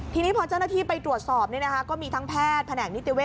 ทีนี้พอเจ้าหน้าที่ไปตรวจสอบก็มีทั้งแพทย์แผนกนิติเวท